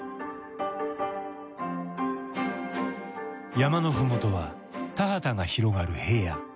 山の麓は田畑が広がる平野。